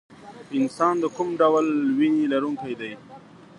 انسان د کوم ډول وینې لرونکی دی